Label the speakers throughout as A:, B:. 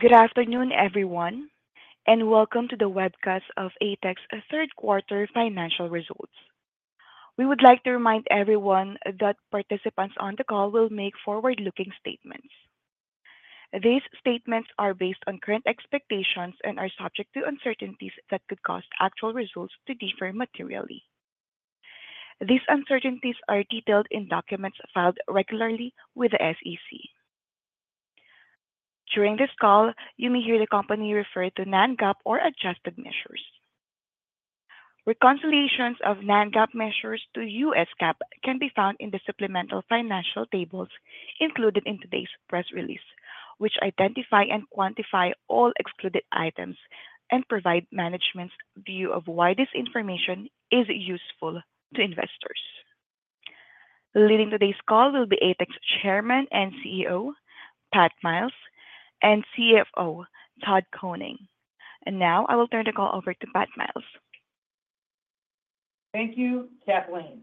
A: Good afternoon, everyone, and welcome to the webcast of Alphatec's Q3 financial results. We would like to remind everyone that participants on the call will make forward-looking statements. These statements are based on current expectations and are subject to uncertainties that could cause actual results to differ materially. These uncertainties are detailed in documents filed regularly with the SEC. During this call, you may hear the company refer to non-GAAP or adjusted measures. Reconciliations of non-GAAP measures to U.S. GAAP can be found in the supplemental financial tables included in today's press release, which identify and quantify all excluded items and provide management's view of why this information is useful to investors. Leading today's call will be Alphatec's Chairman and CEO, Pat Miles, and CFO, Todd Koning. Now I will turn the call over to Pat Miles.
B: Thank you, Kathleen.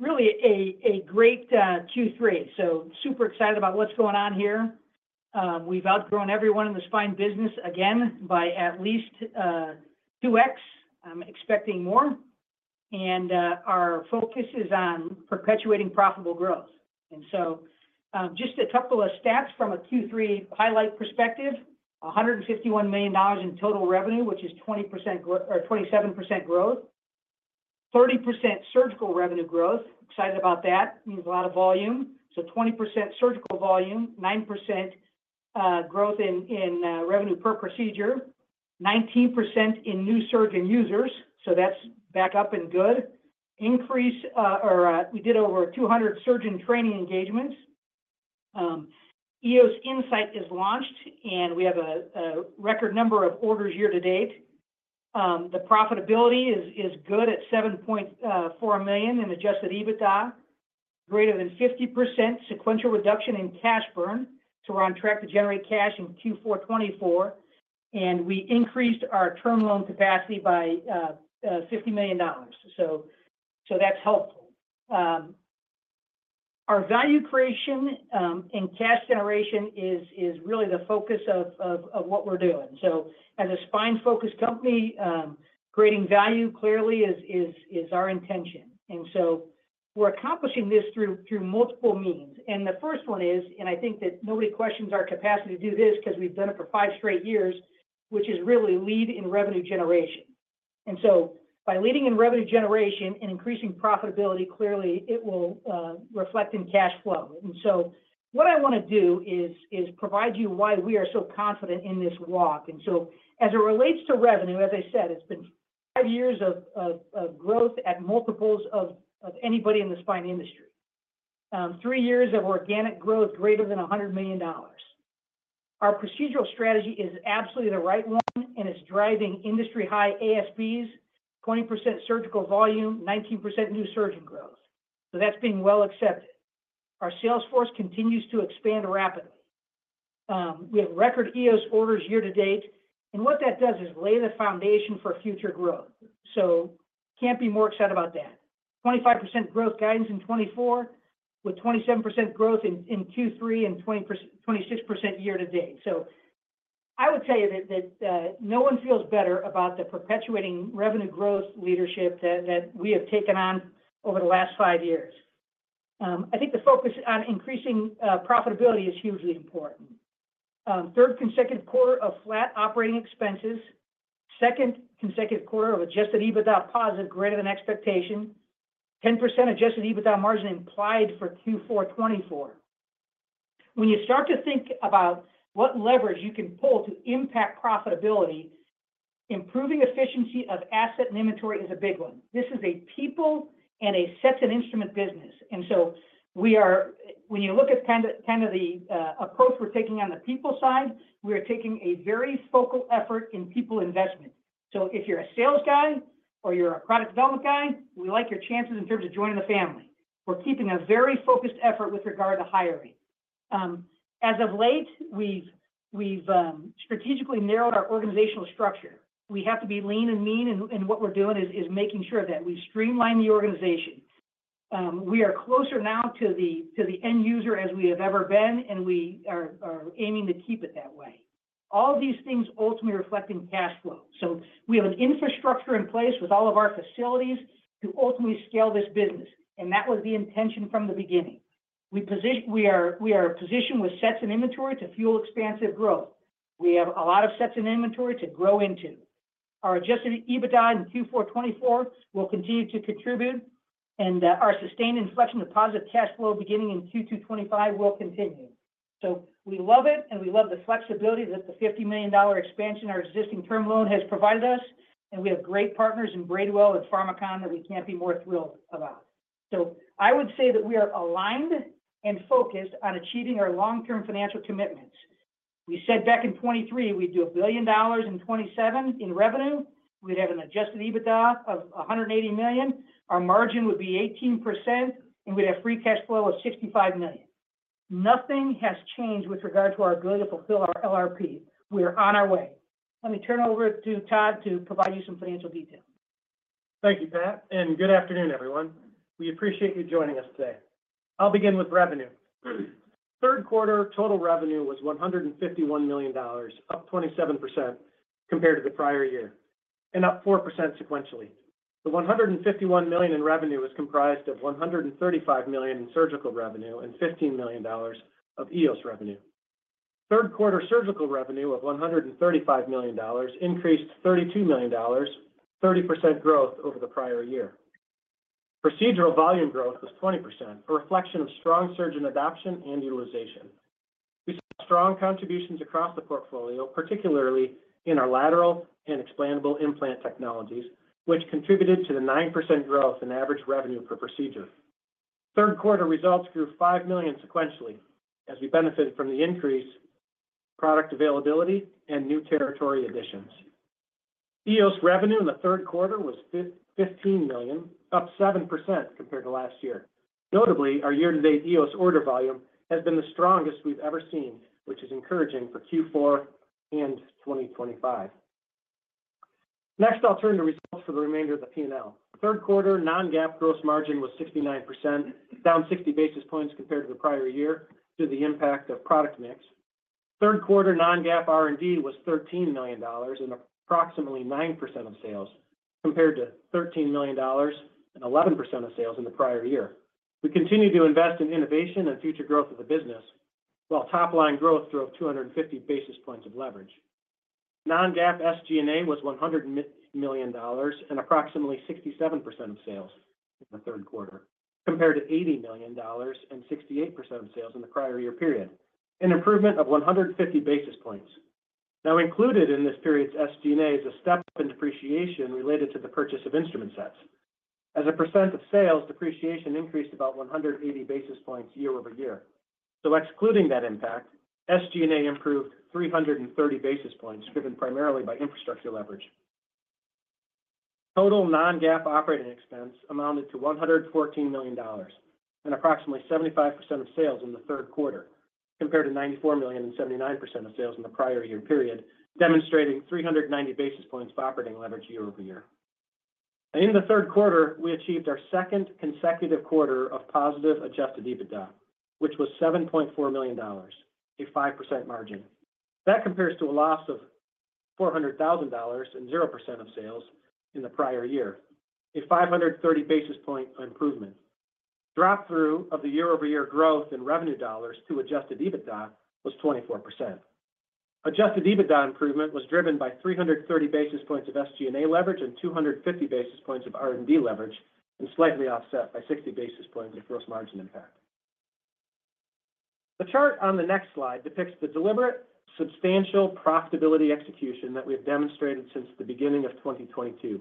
B: Really a great Q3. Super excited about what's going on here. We've outgrown everyone in the spine business again by at least 2X. I'm expecting more. Our focus is on perpetuating profitable growth. Just a couple of stats from a Q3 highlight perspective: $151 million in total revenue, which is 27% growth. 30% surgical revenue growth. Excited about that. Means a lot of volume. 20% surgical volume. 9% growth in revenue per procedure. 19% in new surgeon users. That's back up and good. Increase: We did over 200 surgeon training engagements. EOS Insight is launched, and we have a record number of orders year to date. The profitability is good at $7.4 million in adjusted EBITDA. Greater than 50% sequential reduction in cash burn. We're on track to generate cash in Q4 2024. And we increased our term loan capacity by $50 million. So, that's helpful. Our value creation and cash generation is really the focus of what we're doing. So, as a spine-focused company, creating value clearly is our intention. And so, we're accomplishing this through multiple means. And the first one is, and I think that nobody questions our capacity to do this because we've done it for five straight years, which is really lead in revenue generation. And so, by leading in revenue generation and increasing profitability, clearly it will reflect in cash flow. And so, what I want to do is provide you why we are so confident in this walk. And so, as it relates to revenue, as I said, it's been five years of growth at multiples of anybody in the spine industry. Three years of organic growth, greater than $100 million. Our procedural strategy is absolutely the right one, and it's driving industry-high ASPs, 20% surgical volume, 19% new surgeon growth. So, that's being well accepted. Our sales force continues to expand rapidly. We have record EOS orders year to date. And what that does is lay the foundation for future growth. So, can't be more excited about that. 25% growth guidance in 2024, with 27% growth in Q3 and 26% year to date. So, I would tell you that no one feels better about the perpetuating revenue growth leadership that we have taken on over the last five years. I think the focus on increasing profitability is hugely important. Third consecutive quarter of flat operating expenses. Second consecutive quarter of adjusted EBITDA positive, greater than expectation. 10% adjusted EBITDA margin implied for Q4 2024. When you start to think about what leverage you can pull to impact profitability, improving efficiency of asset and inventory is a big one. This is a people and assets and instruments business. And so, when you look at kind of the approach we're taking on the people side, we are taking a very focused effort in people investment. So, if you're a sales guy or you're a product development guy, we like your chances in terms of joining the family. We're keeping a very focused effort with regard to hiring. As of late, we've strategically narrowed our organizational structure. We have to be lean and mean, and what we're doing is making sure that we streamline the organization. We are closer now to the end user as we have ever been, and we are aiming to keep it that way. All these things ultimately reflect in cash flow. We have an infrastructure in place with all of our facilities to ultimately scale this business. And that was the intention from the beginning. We are positioned with sets and inventory to fuel expansive growth. We have a lot of sets and inventory to grow into. Our adjusted EBITDA in Q4 2024 will continue to contribute. And our sustained inflection of positive cash flow beginning in Q2 2025 will continue. So, we love it, and we love the flexibility that the $50 million expansion our existing term loan has provided us. And we have great partners in Braidwell and Pharmakon that we can't be more thrilled about. So, I would say that we are aligned and focused on achieving our long-term financial commitments. We said back in 2023 we'd do $1 billion in 2027 in revenue. We'd have an adjusted EBITDA of $180 million. Our margin would be 18%, and we'd have free cash flow of $65 million. Nothing has changed with regard to our ability to fulfill our LRP. We're on our way. Let me turn it over to Todd to provide you some financial details.
C: Thank you, Pat. Good afternoon, everyone. We appreciate you joining us today. I'll begin with revenue. Q3 total revenue was $151 million, up 27% compared to the prior year, and up 4% sequentially. The $151 million in revenue is comprised of $135 million in surgical revenue and $15 million of EOS revenue. Q3 surgical revenue of $135 million increased $32 million, 30% growth over the prior year. Procedural volume growth was 20%, a reflection of strong surgeon adoption and utilization. We saw strong contributions across the portfolio, particularly in our lateral and expandable implant technologies, which contributed to the 9% growth in average revenue per procedure. Q3 results grew $5 million sequentially as we benefited from the increase in product availability and new territory additions. EOS revenue in the Q3 was $15 million, up 7% compared to last year. Notably, our year-to-date EOS order volume has been the strongest we've ever seen, which is encouraging for Q4 and 2025. Next, I'll turn to results for the remainder of the P&L. Q3 Non-GAAP gross margin was 69%, down 60 basis points compared to the prior year due to the impact of product mix. Q3 Non-GAAP R&D was $13 million and approximately 9% of sales, compared to $13 million and 11% of sales in the prior year. We continue to invest in innovation and future growth of the business, while top-line growth drove 250 basis points of leverage. Non-GAAP SG&A was $100 million and approximately 67% of sales in the Q3, compared to $80 million and 68% of sales in the prior year period, an improvement of 150 basis points. Now, included in this period's SG&A is a step in depreciation related to the purchase of instrument sets. As a percent of sales, depreciation increased about 180 basis points year over year. So, excluding that impact, SG&A improved 330 basis points, driven primarily by infrastructure leverage. Total Non-GAAP operating expense amounted to $114 million and approximately 75% of sales in the Q3, compared to $94 million and 79% of sales in the prior year period, demonstrating 390 basis points of operating leverage year over year. In the Q3, we achieved our second consecutive quarter of positive adjusted EBITDA, which was $7.4 million, a 5% margin. That compares to a loss of $400,000 and 0% of sales in the prior year, a 530 basis point improvement. Drop-through of the year-over-year growth in revenue dollars to adjusted EBITDA was 24%. Adjusted EBITDA improvement was driven by 330 basis points of SG&A leverage and 250 basis points of R&D leverage, and slightly offset by 60 basis points of gross margin impact. The chart on the next slide depicts the deliberate, substantial profitability execution that we have demonstrated since the beginning of 2022.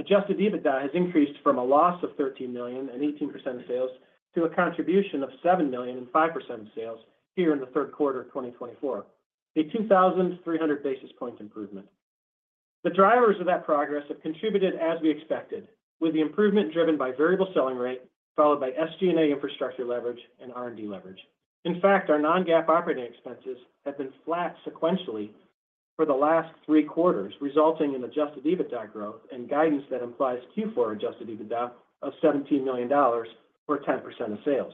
C: Adjusted EBITDA has increased from a loss of $13 million and 18% of sales to a contribution of $7 million and 5% of sales here in the Q3 of 2024, a 2,300 basis point improvement. The drivers of that progress have contributed as we expected, with the improvement driven by variable selling rate, followed by SG&A infrastructure leverage and R&D leverage. In fact, our Non-GAAP operating expenses have been flat sequentially for the last three quarters, resulting in adjusted EBITDA growth and guidance that implies Q4 adjusted EBITDA of $17 million or 10% of sales.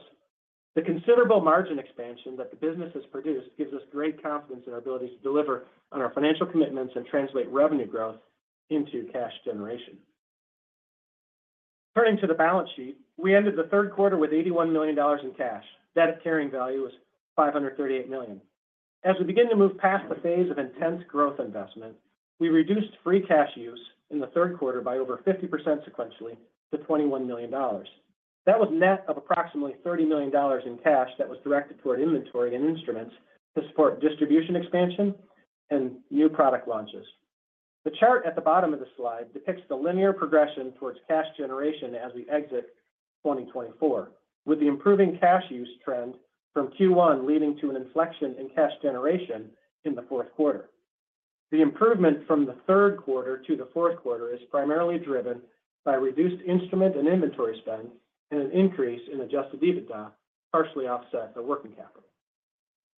C: The considerable margin expansion that the business has produced gives us great confidence in our ability to deliver on our financial commitments and translate revenue growth into cash generation. Turning to the balance sheet, we ended the Q3 with $81 million in cash. That carrying value was $538 million. As we begin to move past the phase of intense growth investment, we reduced free cash use in the Q3 by over 50% sequentially to $21 million. That was net of approximately $30 million in cash that was directed toward inventory and instruments to support distribution expansion and new product launches. The chart at the bottom of the slide depicts the linear progression towards cash generation as we exit 2024, with the improving cash use trend from Q1 leading to an inflection in cash generation in the Q4. The improvement from the Q3 to the Q4 is primarily driven by reduced instrument and inventory spend and an increase in adjusted EBITDA, partially offset by working capital.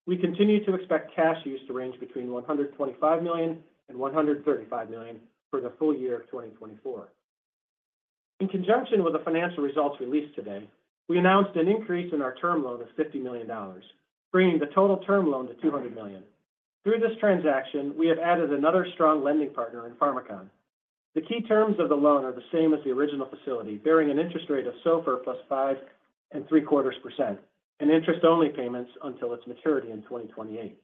C: We continue to expect cash use to range between $125 million and $135 million for the full year of 2024. In conjunction with the financial results released today, we announced an increase in our term loan of $50 million, bringing the total term loan to $200 million. Through this transaction, we have added another strong lending partner in Pharmakon. The key terms of the loan are the same as the original facility, bearing an interest rate of SOFR plus 5.75% and interest-only payments until its maturity in 2028.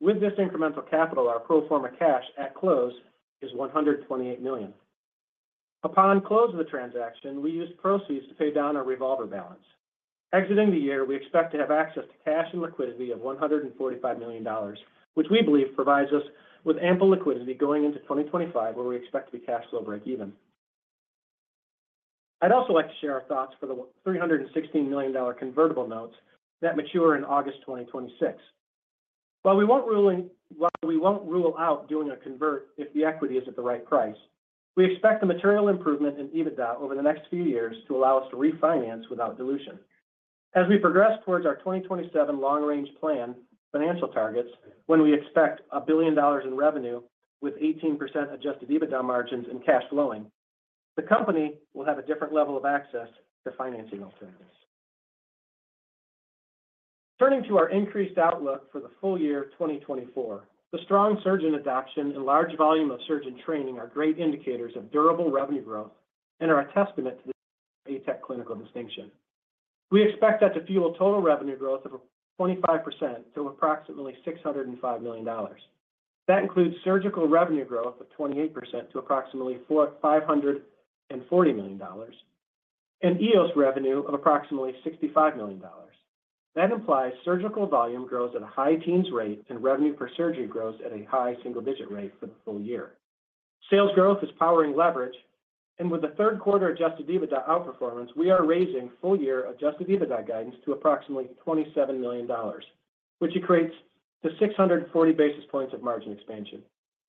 C: With this incremental capital, our pro forma cash at close is $128 million. Upon close of the transaction, we used proceeds to pay down our revolver balance. Exiting the year, we expect to have access to cash and liquidity of $145 million, which we believe provides us with ample liquidity going into 2025, where we expect to be cash flow break-even. I'd also like to share our thoughts for the $316 million convertible notes that mature in August 2026. While we won't rule out doing a convert if the equity is at the right price, we expect the material improvement in EBITDA over the next few years to allow us to refinance without dilution. As we progress towards our 2027 long-range plan financial targets, when we expect $1 billion in revenue with 18% adjusted EBITDA margins and cash flowing, the company will have a different level of access to financing alternatives. Turning to our increased outlook for the full year 2024, the strong surge in adoption and large volume of surgeon training are great indicators of durable revenue growth and are a testament to the ATEC clinical distinction. We expect that to fuel total revenue growth of 25% to approximately $605 million. That includes surgical revenue growth of 28% to approximately $540 million and EOS revenue of approximately $65 million. That implies surgical volume grows at a high teens rate and revenue per surgery grows at a high single-digit rate for the full year. Sales growth is powering leverage. And with the Q3 Adjusted EBITDA outperformance, we are raising full-year Adjusted EBITDA guidance to approximately $27 million, which equates to 640 basis points of margin expansion.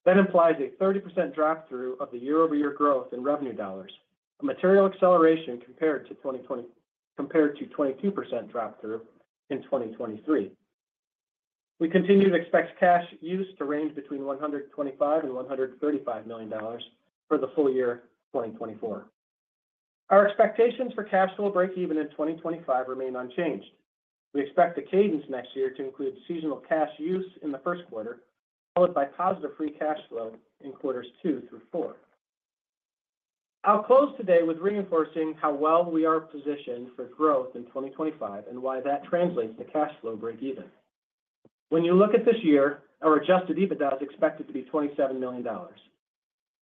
C: That implies a 30% drop-through of the year-over-year growth in revenue dollars, a material acceleration compared to 22% drop-through in 2023. We continue to expect cash use to range between $125-$135 million for the full year 2024. Our expectations for cash flow break-even in 2025 remain unchanged. We expect the cadence next year to include seasonal cash use in the Q1, followed by positive free cash flow in quarters two through four. I'll close today with reinforcing how well we are positioned for growth in 2025 and why that translates to cash flow break-even. When you look at this year, our adjusted EBITDA is expected to be $27 million.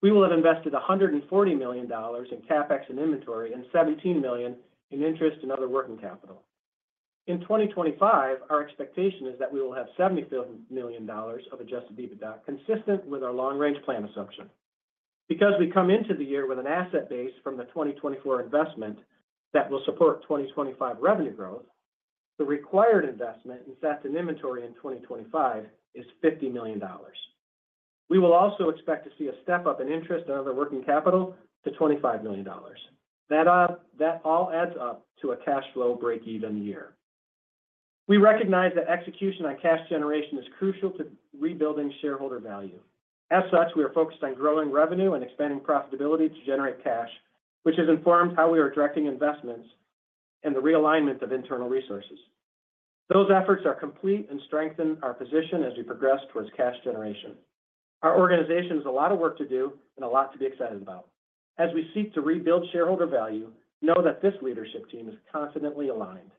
C: We will have invested $140 million in CapEx and inventory and $17 million in interest and other working capital. In 2025, our expectation is that we will have $75 million of adjusted EBITDA, consistent with our long-range plan assumption. Because we come into the year with an asset base from the 2024 investment that will support 2025 revenue growth, the required investment in sets and inventory in 2025 is $50 million. We will also expect to see a step-up in interest and other working capital to $25 million. That all adds up to a cash flow break-even year. We recognize that execution on cash generation is crucial to rebuilding shareholder value. As such, we are focused on growing revenue and expanding profitability to generate cash, which has informed how we are directing investments and the realignment of internal resources. Those efforts are complete and strengthen our position as we progress towards cash generation. Our organization has a lot of work to do and a lot to be excited about. As we seek to rebuild shareholder value, know that this leadership team is confidently aligned.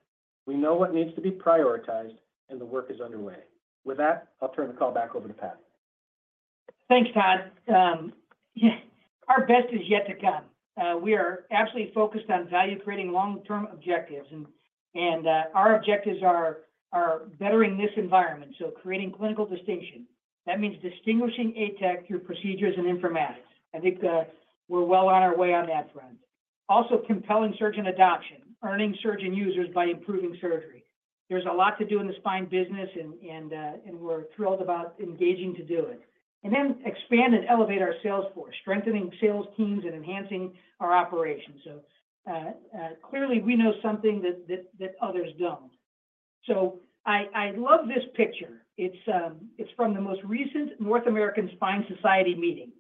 C: We know what needs to be prioritized, and the work is underway. With that, I'll turn the call back over to Pat.
B: Thanks, Todd. Our best is yet to come. We are absolutely focused on value-creating long-term objectives, and our objectives are bettering this environment, so creating clinical distinction. That means distinguishing ATEC through procedures and informatics. I think we're well on our way on that front. Also, compelling surgeon adoption, earning surgeon users by improving surgery. There's a lot to do in the spine business, and we're thrilled about engaging to do it, and then expand and elevate our sales force, strengthening sales teams and enhancing our operations, so clearly, we know something that others don't, so I love this picture. It's from the most recent North American Spine Society meeting.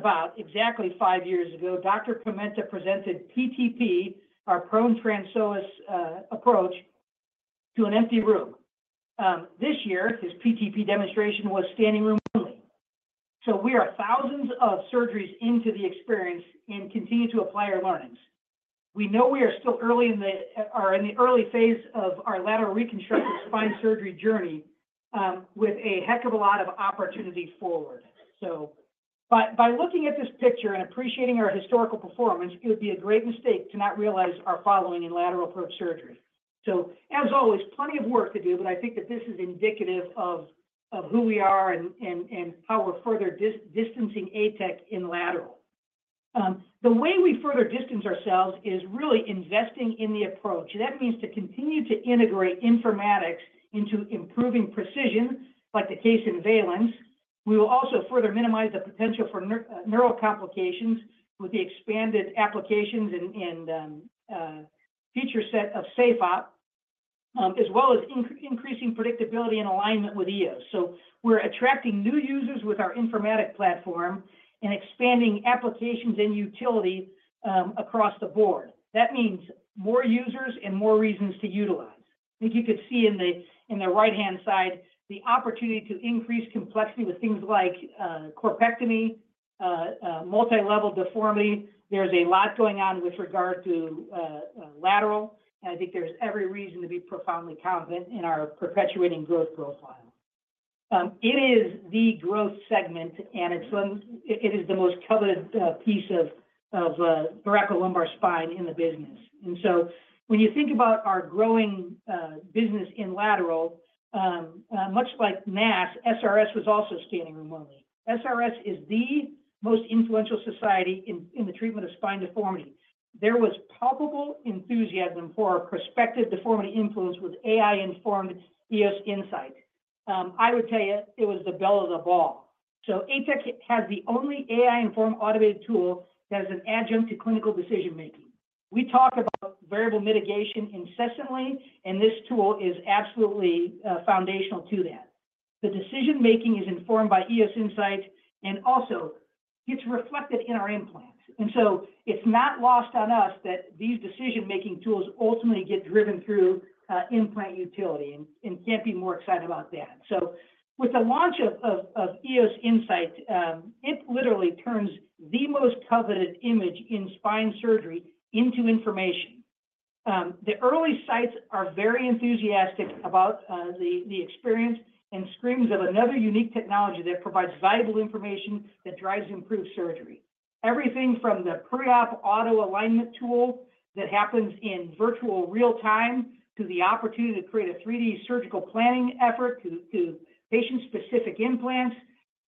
B: About exactly five years ago, Dr. Pimenta presented PTP, our prone transpsoas approach, to an empty room. This year, his PTP demonstration was standing room only. So we are thousands of surgeries into the experience and continue to apply our learnings. We know we are still early in the early phase of our lateral reconstruction spine surgery journey with a heck of a lot of opportunity forward. So by looking at this picture and appreciating our historical performance, it would be a great mistake to not realize our following in lateral approach surgery. So as always, plenty of work to do, but I think that this is indicative of who we are and how we're further distancing ATEC in lateral. The way we further distance ourselves is really investing in the approach. That means to continue to integrate informatics into improving precision, like the case in Valence. We will also further minimize the potential for neural complications with the expanded applications and feature set of SafeOp, as well as increasing predictability and alignment with EOS. We're attracting new users with our informatics platform and expanding applications and utility across the board. That means more users and more reasons to utilize. I think you could see in the right-hand side the opportunity to increase complexity with things like corpectomy, multilevel deformity. There's a lot going on with regard to lateral, and I think there's every reason to be profoundly confident in our perpetuating growth profile. It is the growth segment, and it is the most coveted piece of thoracolumbar spine in the business. So when you think about our growing business in lateral, much like NASS, SRS was also standing room only. SRS is the most influential society in the treatment of spine deformity. There was palpable enthusiasm for our prospective deformity influence with AI-informed EOS Insight. I would tell you it was the bell of the ball. ATEC has the only AI-informed automated tool that is an adjunct to clinical decision-making. We talk about variable mitigation incessantly, and this tool is absolutely foundational to that. The decision-making is informed by EOS Insight, and also, it's reflected in our implants. And so it's not lost on us that these decision-making tools ultimately get driven through implant utility and can't be more excited about that. So with the launch of EOS Insight, it literally turns the most coveted image in spine surgery into information. The early sites are very enthusiastic about the experience and screams of another unique technology that provides valuable information that drives improved surgery. Everything from the pre-op auto alignment tool that happens virtually real time to the opportunity to create a 3D surgical planning effort to patient-specific implants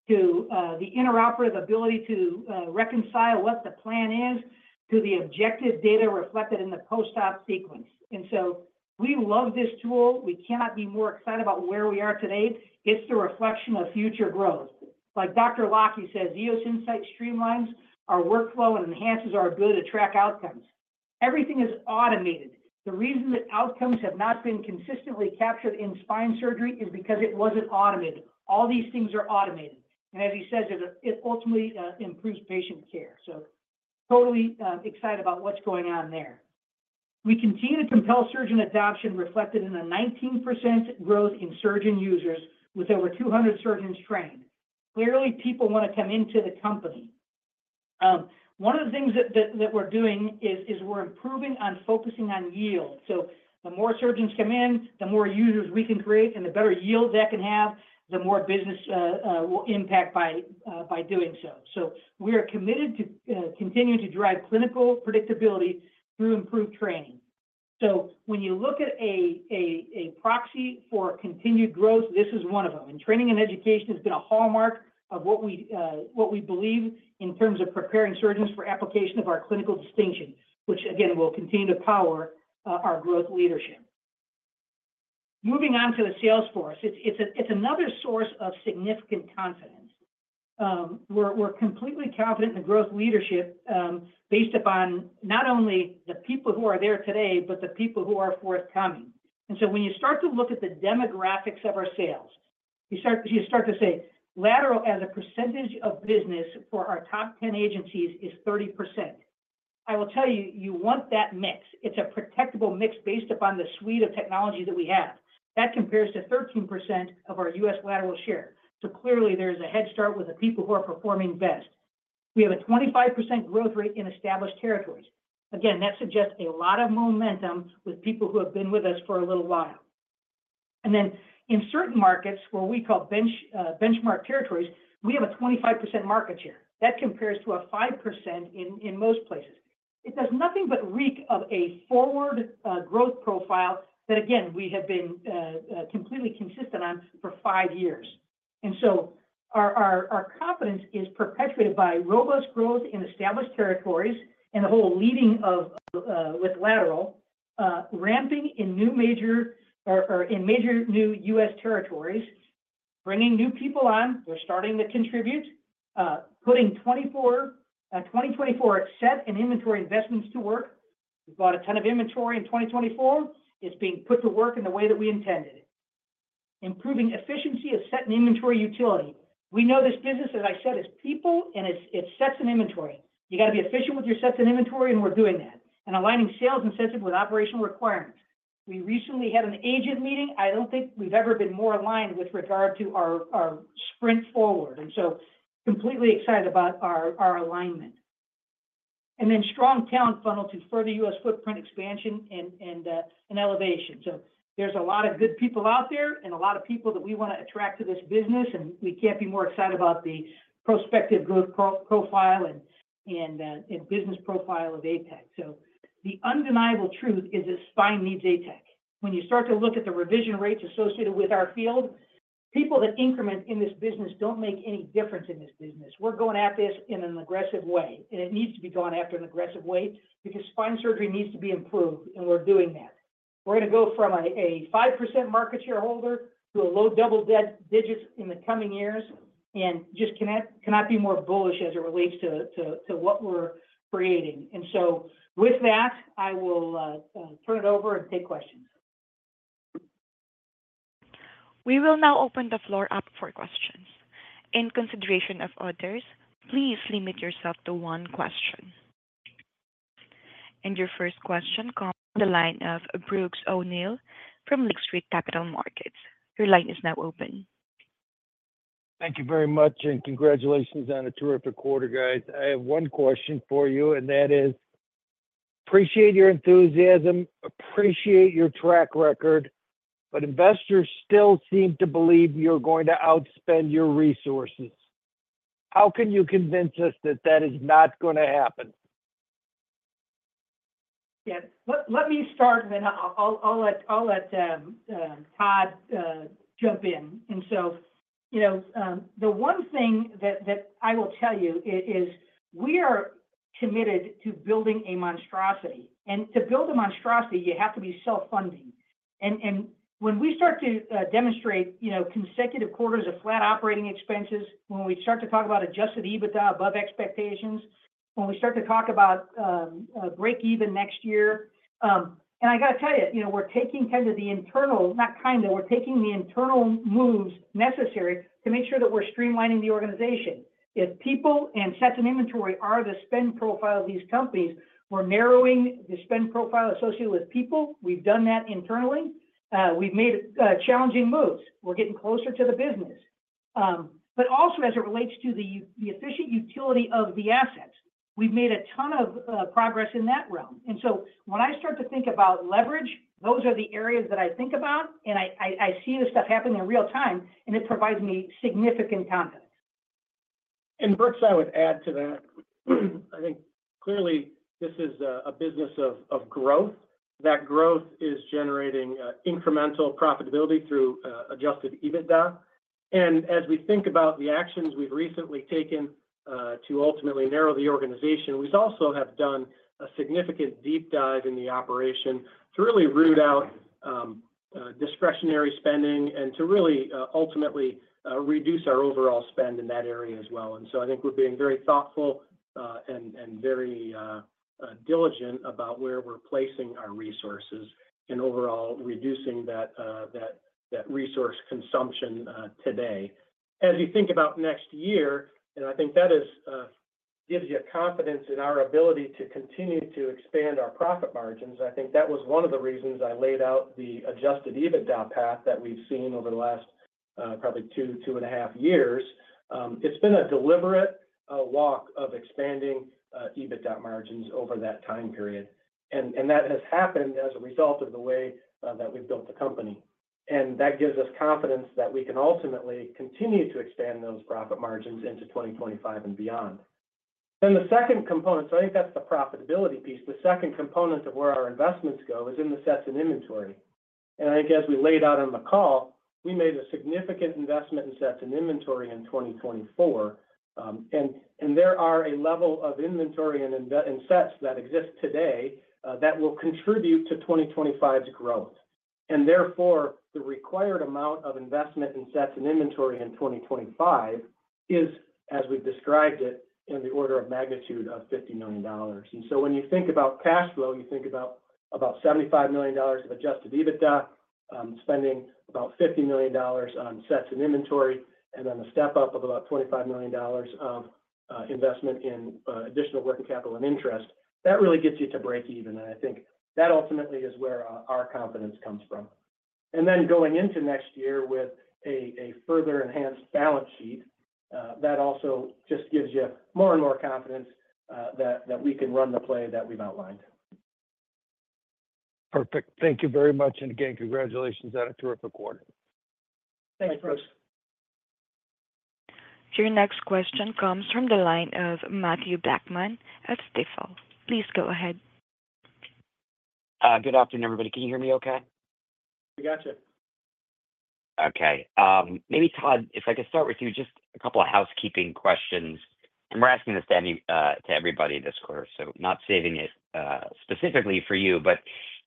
B: to the intraoperative ability to reconcile what the plan is to the objective data reflected in the post-op sequence. And so we love this tool. We cannot be more excited about where we are today. It's the reflection of future growth. Like Dr. Locke says, EOS Insight streamlines our workflow and enhances our ability to track outcomes. Everything is automated. The reason that outcomes have not been consistently captured in spine surgery is because it wasn't automated. All these things are automated. And as he says, it ultimately improves patient care. So totally excited about what's going on there. We continue to see compelling surgeon adoption reflected in a 19% growth in surgeon users with over 200 surgeons trained. Clearly, people want to come into the company. One of the things that we're doing is we're improving on focusing on yield. So the more surgeons come in, the more users we can create, and the better yield that can have, the more business will impact by doing so. So we are committed to continuing to drive clinical predictability through improved training. So when you look at a proxy for continued growth, this is one of them. And training and education has been a hallmark of what we believe in terms of preparing surgeons for application of our clinical distinction, which, again, will continue to power our growth leadership. Moving on to the sales force, it's another source of significant confidence. We're completely confident in the growth leadership based upon not only the people who are there today, but the people who are forthcoming. And so when you start to look at the demographics of our sales, you start to say lateral as a percentage of business for our top 10 agencies is 30%. I will tell you, you want that mix. It's a protectable mix based upon the suite of technologies that we have. That compares to 13% of our U.S. lateral share. So clearly, there is a head start with the people who are performing best. We have a 25% growth rate in established territories. Again, that suggests a lot of momentum with people who have been with us for a little while. And then in certain markets where we call benchmark territories, we have a 25% market share. That compares to a 5% in most places. It does nothing but reek of a forward growth profile that, again, we have been completely consistent on for five years. And so our confidence is perpetuated by robust growth in established territories and the whole leading with lateral, ramping in new major or in major new U.S. territories, bringing new people on. We're starting to contribute. Putting 2024 set and inventory investments to work. We've bought a ton of inventory in 2024. It's being put to work in the way that we intended. Improving efficiency of set and inventory utility. We know this business, as I said, is people, and it's sets and inventory. You got to be efficient with your sets and inventory, and we're doing that. And aligning sales incentive with operational requirements. We recently had an analyst meeting. I don't think we've ever been more aligned with regard to our sprint forward. And so completely excited about our alignment. And then strong talent funnel to further U.S. footprint expansion and elevation. So there's a lot of good people out there and a lot of people that we want to attract to this business, and we can't be more excited about the prospective growth profile and business profile of ATEC. So the undeniable truth is that spine n eeds ATEC. When you start to look at the revision rates associated with our field, people that increment in this business don't make any difference in this business. We're going at this in an aggressive way, and it needs to be gone after an aggressive way because spine surgery needs to be improved, and we're doing that. We're going to go from a 5% market share to a low double digits in the coming years and just cannot be more bullish as it relates to what we're creating. And so with that, I will turn it over and take questions.
A: We will now open the floor up for questions. In consideration of others, please limit yourself to one question, and your first question comes from the line of Brooks O'Neil from Lake Street Capital Markets. Your line is now open.
D: Thank you very much, and congratulations on a terrific quarter, guys. I have one question for you, and that is, I appreciate your enthusiasm, appreciate your track record, but investors still seem to believe you're going to outspend your resources. How can you convince us that that is not going to happen?
B: Yes. Let me start, and then I'll let Todd jump in. And so the one thing that I will tell you is we are committed to building a monstrosity. And to build a monstrosity, you have to be self-funding. And when we start to demonstrate consecutive quarters of flat operating expenses, when we start to talk about Adjusted EBITDA above expectations, when we start to talk about break-even next year, and I got to tell you, we're taking kind of the internal, not kind of, we're taking the internal moves necessary to make sure that we're streamlining the organization. If people and sets and inventory are the spend profile of these companies, we're narrowing the spend profile associated with people. We've done that internally. We've made challenging moves. We're getting closer to the business. But also, as it relates to the efficient utility of the assets, we've made a ton of progress in that realm. And so when I start to think about leverage, those are the areas that I think about, and I see this stuff happening in real time, and it provides me significant confidence.
C: Brooks, I would add to that. I think clearly, this is a business of growth. That growth is generating incremental profitability through Adjusted EBITDA. As we think about the actions we've recently taken to ultimately narrow the organization, we also have done a significant deep dive in the operation to really root out discretionary spending and to really ultimately reduce our overall spend in that area as well. So I think we're being very thoughtful and very diligent about where we're placing our resources and overall reducing that resource consumption today. As you think about next year, and I think that gives you confidence in our ability to continue to expand our profit margins, I think that was one of the reasons I laid out the Adjusted EBITDA path that we've seen over the last probably two, two and a half years. It's been a deliberate walk of expanding EBITDA margins over that time period. And that has happened as a result of the way that we've built the company. And that gives us confidence that we can ultimately continue to expand those profit margins into 2025 and beyond. Then the second component, so I think that's the profitability piece, the second component of where our investments go is in the sets and inventory. And I think as we laid out on the call, we made a significant investment in sets and inventory in 2024. And there are a level of inventory and sets that exist today that will contribute to 2025's growth. And therefore, the required amount of investment in sets and inventory in 2025 is, as we've described it, in the order of magnitude of $50 million. So when you think about cash flow, you think about $75 million of adjusted EBITDA, spending about $50 million on sets and inventory, and then a step up of about $25 million of investment in additional working capital and interest. That really gets you to break even. I think that ultimately is where our confidence comes from. Going into next year with a further enhanced balance sheet, that also just gives you more and more confidence that we can run the play that we've outlined.
D: Perfect. Thank you very much, and again, congratulations on a terrific quarter.
B: Thanks, Brooks.
A: Your next question comes from the line of Mathew Blackman at Stifel. Please go ahead.
E: Good afternoon, everybody. Can you hear me okay?
C: We got you.
E: Okay. Maybe, Todd, if I could start with you, just a couple of housekeeping questions. And we're asking this to everybody this quarter, so not saving it specifically for you, but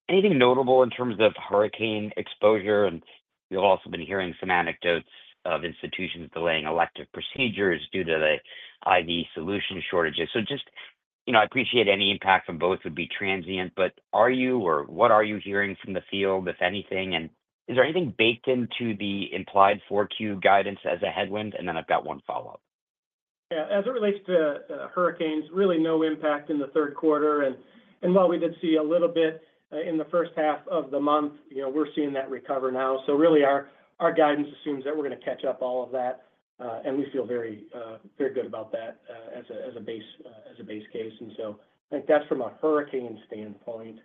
E: anything notable in terms of hurricane exposure? And we've also been hearing some anecdotes of institutions delaying elective procedures due to the IV solution shortages. So just I appreciate any impact from both would be transient, but are you or what are you hearing from the field, if anything? And is there anything baked into the implied 4Q guidance as a headwind? And then I've got one follow-up.
C: Yeah. As it relates to hurricanes, really no impact in the Q3. And while we did see a little bit in the first half of the month, we're seeing that recover now. So really, our guidance assumes that we're going to catch up all of that. And we feel very good about that as a base case. And so I think that's from a hurricane standpoint.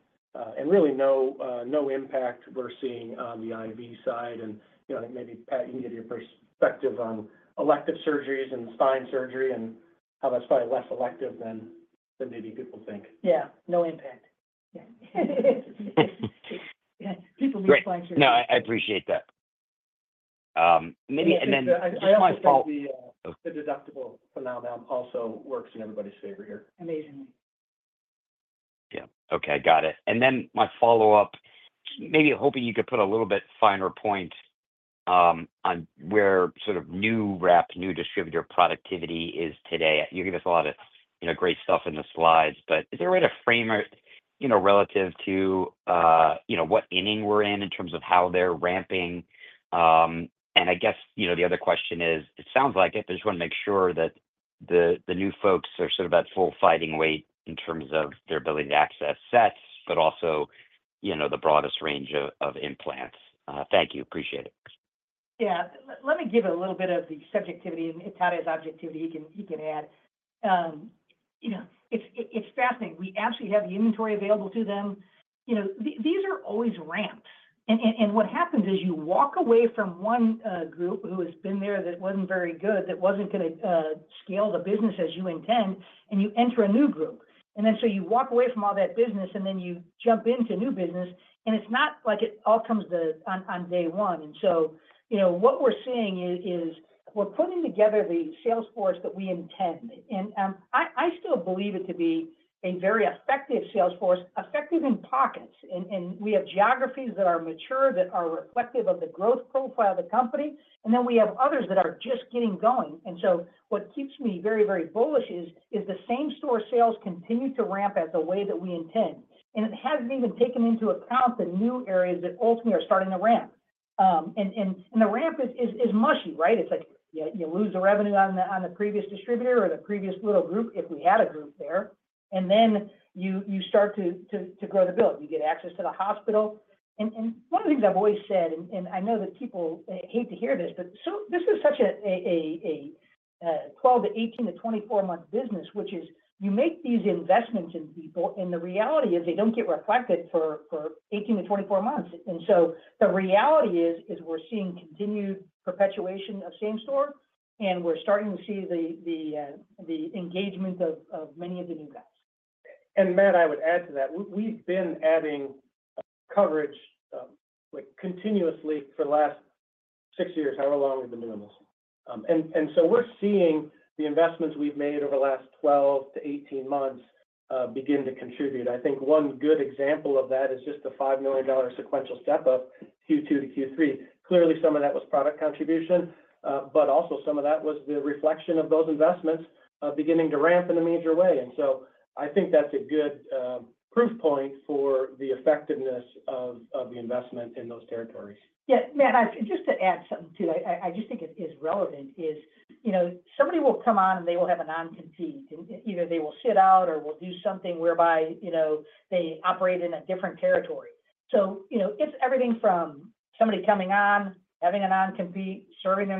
C: And really no impact we're seeing on the IV side. And I think maybe, Pat, you can give your perspective on elective surgeries and spine surgery and how that's probably less elective than maybe people think.
B: Yeah. No impact. Yeah. People need spine surgery.
E: No, I appreciate that. Maybe, and then just my follow-up.
C: The deductible phenomenon also works in everybody's favor here.
B: Amazingly.
E: Yeah. Okay. Got it. And then my follow-up, maybe hoping you could put a little bit finer point on where sort of new rep, new distributor productivity is today. You gave us a lot of great stuff in the slides, but is there a way to frame it relative to what inning we're in in terms of how they're ramping? And I guess the other question is, it sounds like it, but I just want to make sure that the new folks are sort of at full fighting weight in terms of their ability to access sets, but also the broadest range of implants. Thank you. Appreciate it.
B: Yeah. Let me give it a little bit of the subjectivity, and Todd has objectivity. He can add. It's fascinating. We actually have the inventory available to them. These are always ramps, and what happens is you walk away from one group who has been there that wasn't very good, that wasn't going to scale the business as you intend, and you enter a new group. And then so you walk away from all that business, and then you jump into new business, and it's not like it all comes on day one. And so what we're seeing is we're putting together the sales force that we intend. And I still believe it to be a very effective sales force, effective in pockets. And we have geographies that are mature that are reflective of the growth profile of the company, and then we have others that are just getting going. And so what keeps me very, very bullish is the same store sales continue to ramp at the way that we intend. And it hasn't even taken into account the new areas that ultimately are starting to ramp. And the ramp is mushy, right? It's like you lose the revenue on the previous distributor or the previous little group if we had a group there. And then you start to grow the bill. You get access to the hospital. And one of the things I've always said, and I know that people hate to hear this, but this is such a 12- to 18- to 24-month business, which is you make these investments in people, and the reality is they don't get reflected for 18 to 24 months. And so the reality is we're seeing continued perpetuation of same store, and we're starting to see the engagement of many of the new guys.
C: And Matt, I would add to that. We've been adding coverage continuously for the last six years. However long we've been doing this. And so we're seeing the investments we've made over the last 12-18 months begin to contribute. I think one good example of that is just the $5 million sequential step-up Q2-Q3. Clearly, some of that was product contribution, but also some of that was the reflection of those investments beginning to ramp in a major way. And so I think that's a good proof point for the effectiveness of the investment in those territories.
B: Yeah. Matt, just to add something too, I just think it is relevant is somebody will come on, and they will have a non-compete. Either they will sit out or will do something whereby they operate in a different territory. So it's everything from somebody coming on, having a non-compete, serving a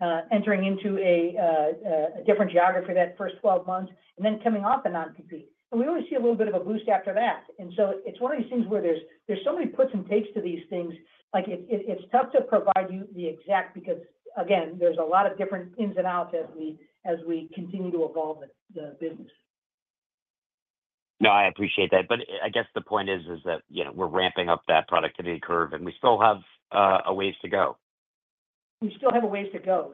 B: non-compete, entering into a different geography that first 12 months, and then coming off a non-compete. And we always see a little bit of a boost after that. And so it's one of these things where there's so many puts and takes to these things. It's tough to provide you the exact because, again, there's a lot of different ins and outs as we continue to evolve the business.
E: No, I appreciate that. But I guess the point is that we're ramping up that productivity curve, and we still have a ways to go.
B: We still have a ways to go.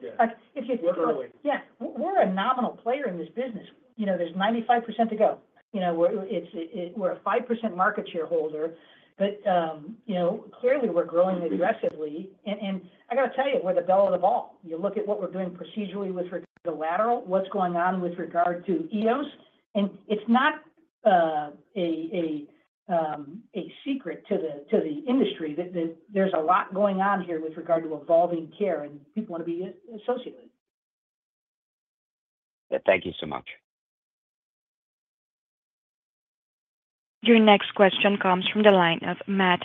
C: We're a ways.
B: Yeah. We're a nominal player in this business. There's 95% to go. We're a 5% market share, but clearly, we're growing aggressively. And I got to tell you, we're the bell of the ball. You look at what we're doing procedurally with regard to the lateral, what's going on with regard to EOS. And it's not a secret to the industry that there's a lot going on here with regard to evolving care, and people want to be associated with it.
E: Yeah. Thank you so much.
A: Your next question comes from the line of Matt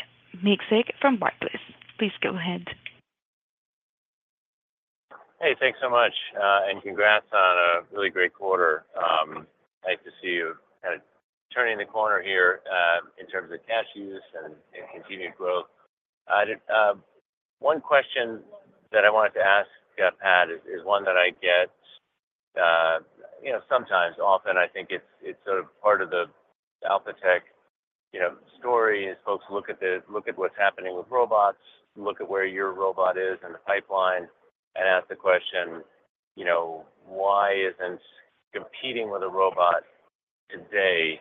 A: Miksic from Barclays. Please go ahead.
F: Hey, thanks so much. And congrats on a really great quarter. Nice to see you kind of turning the corner here in terms of cash use and continued growth. One question that I wanted to ask, Pat, is one that I get sometimes. Often, I think it's sort of part of the Alphatec story is folks look at what's happening with robots, look at where your robot is in the pipeline, and ask the question, why isn't competing with a robot today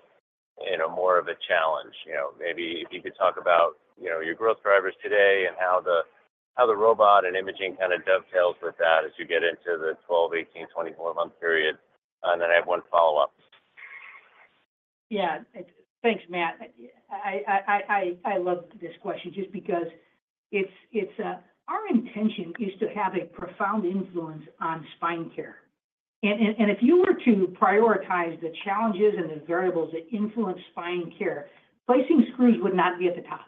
F: more of a challenge? Maybe if you could talk about your growth drivers today and how the robot and imaging kind of dovetails with that as you get into the 12, 18, 24-month period. And then I have one follow-up.
B: Yeah. Thanks, Matt. I love this question just because our intention is to have a profound influence on spine care. And if you were to prioritize the challenges and the variables that influence spine care, placing screws would not be at the top.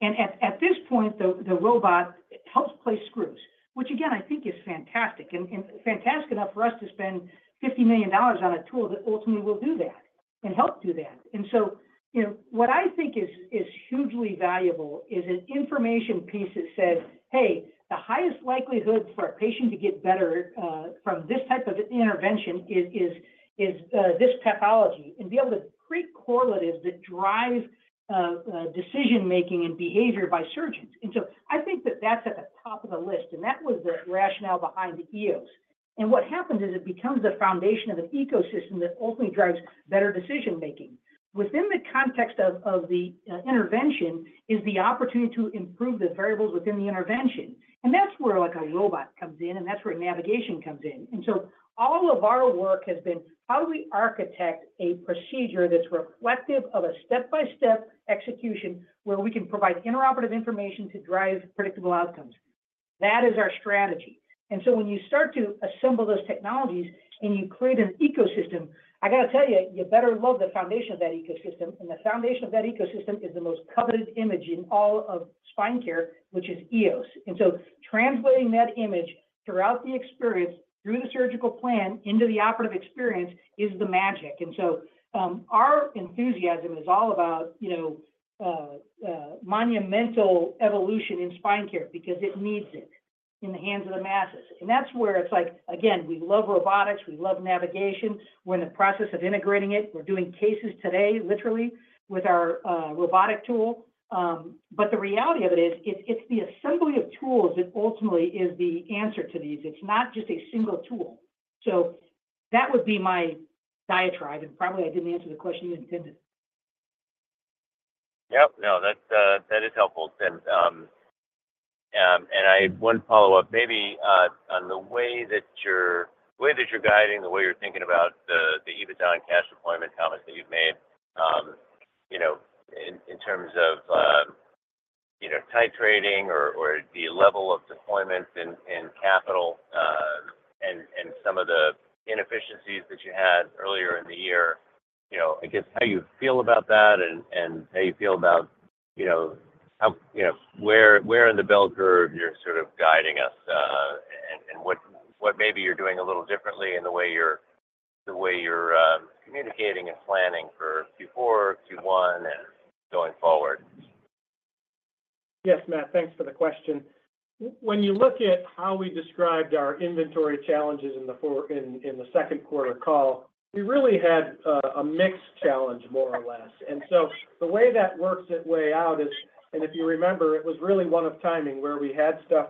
B: And at this point, the robot helps place screws, which again, I think is fantastic. And fantastic enough for us to spend $50 million on a tool that ultimately will do that and help do that. And so what I think is hugely valuable is an information piece that says, "Hey, the highest likelihood for a patient to get better from this type of intervention is this pathology," and be able to create correlatives that drive decision-making and behavior by surgeons. And so I think that that's at the top of the list. And that was the rationale behind the EOS. And what happens is it becomes the foundation of an ecosystem that ultimately drives better decision-making. Within the context of the intervention is the opportunity to improve the variables within the intervention. And that's where a robot comes in, and that's where navigation comes in. And so all of our work has been, how do we architect a procedure that's reflective of a step-by-step execution where we can provide intraoperative information to drive predictable outcomes? That is our strategy. And so when you start to assemble those technologies and you create an ecosystem, I got to tell you, you better love the foundation of that ecosystem. And the foundation of that ecosystem is the most coveted image in all of spine care, which is EOS. And so translating that image throughout the experience, through the surgical plan, into the operative experience is the magic. And so our enthusiasm is all about monumental evolution in spine care because it needs it in the hands of the masses. And that's where it's like, again, we love robotics. We love navigation. We're in the process of integrating it. We're doing cases today, literally, with our robotic tool. But the reality of it is it's the assembly of tools that ultimately is the answer to these. It's not just a single tool. So that would be my diatribe. And probably I didn't answer the question you intended.
F: Yep. No, that is helpful. And one follow-up, maybe on the way that you're guiding, the way you're thinking about the EBITDA and cash deployment comments that you've made in terms of titrating or the level of deployment and capital and some of the inefficiencies that you had earlier in the year, I guess how you feel about that and how you feel about where in the bell curve you're sort of guiding us and what maybe you're doing a little differently in the way you're communicating and planning for Q4, Q1, and going forward.
C: Yes, Matt. Thanks for the question. When you look at how we described our inventory challenges in the Q2 call, we really had a mixed challenge, more or less, and so the way that works its way out is, and if you remember, it was really one of timing where we had stuff